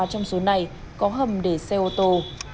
trong số này có hầm để xe ô tô